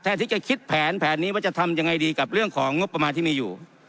ที่จะคิดแผนแผนนี้ว่าจะทำยังไงดีกับเรื่องของงบประมาณที่มีอยู่